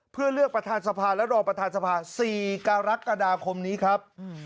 เพื่อเลือกประธานสภาและรองประธานสภา๔กรกฎาคมนี้ครับ